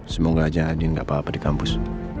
semoga aja adin gak apa apa di kampus